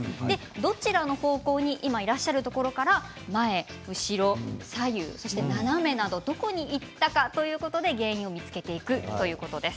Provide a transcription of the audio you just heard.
どちらの方向に今いらっしゃるところから前、後ろ、左右、そして斜めなどどこに行ったかということで原因を見つけていくということです。